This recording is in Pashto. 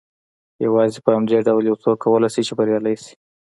يوازې په همدې ډول يو څوک کولای شي چې بريالی شي.